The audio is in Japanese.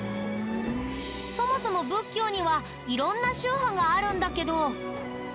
そもそも仏教には色んな宗派があるんだけど。